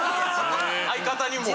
相方にも？